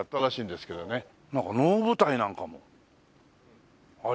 なんか能舞台なんかもありますよ。